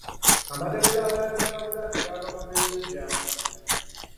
Amategula agaazimba Bulange gaava mu Belgium